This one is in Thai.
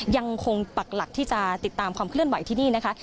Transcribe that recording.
ปักหลักที่จะติดตามความเคลื่อนไหวที่นี่นะคะ